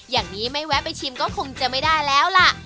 อย่างนี้ไม่แวะไปชิมก็คงจะไม่ได้แล้วล่ะ